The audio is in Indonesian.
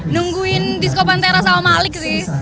nungguin disco pantera sama malik sih